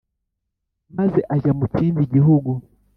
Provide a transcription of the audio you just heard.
maze ajya mu kindi gihugu